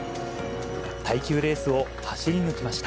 耐久レースを走り抜きました。